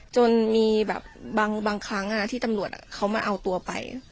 จนมีแบบบางครั้งที่ตำรวจเขามาเอาตัวไป